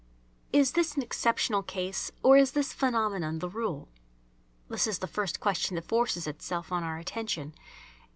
Is this an exceptional case, or is this phenomenon the rule? This is the first question that forces itself on our attention.